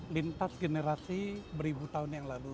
lintas generasi beribu tahun yang lalu